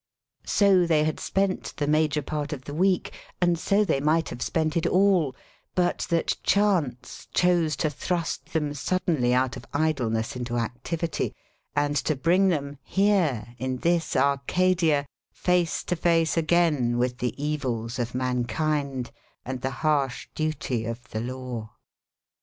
So they had spent the major part of the week, and so they might have spent it all, but that chance chose to thrust them suddenly out of idleness into activity, and to bring them here, in this Arcadia face to face again with the evils of mankind and the harsh duty of the law.